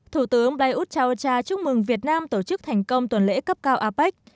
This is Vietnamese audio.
thủ tướng plei ut chau cha chúc mừng việt nam tổ chức thành công tuần lễ cấp cao apec